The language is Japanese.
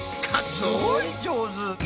すごい上手。